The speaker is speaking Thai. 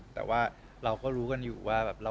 แต่ว่าเราก็รู้กันอยู่ว่าแบบ